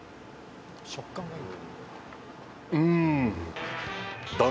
「食感がいい？」